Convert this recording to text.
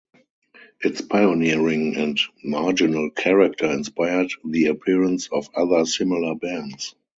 Its pioneering and marginal character inspired the appearance of other similar bands.